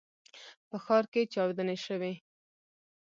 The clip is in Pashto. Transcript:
په ښار کې چاودنې شوي.